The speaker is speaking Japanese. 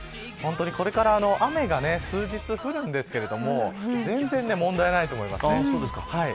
これから雨が数日降るんですが全然問題ないと思います。